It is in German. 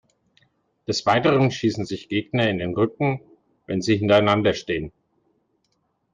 Des Weiteren schießen sich Gegner in den Rücken, wenn sie hintereinander stehen.